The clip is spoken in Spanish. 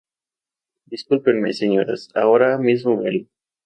Discúlpenme, señoras. Ahora mismo vuelvo.